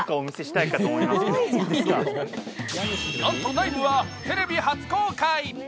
なんと、内部はテレビ初公開。